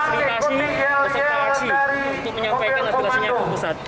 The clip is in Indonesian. aspirasi berserta aksi untuk menyampaikan aspirasinya ke pusat